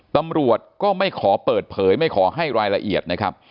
ตำรวจก็ไม่ขอเปิดเผยไม่ขอให้รายละเอียดนะครับ